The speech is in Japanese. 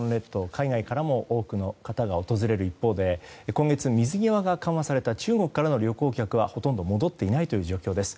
海外からも多くの方が訪れる一方で今月、水際が緩和された中国からの旅行客はほとんど戻っていない状況です。